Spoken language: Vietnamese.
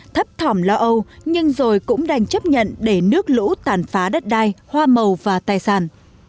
thấp thỏm lo âu nhưng rồi cũng đành chấp nhận để nước lũ tàn phá đất đai hoa màu và tài sản